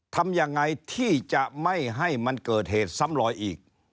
ทำยังไงที่จะไม่ให้มันเกิดเหตุซ้ำลอยอีก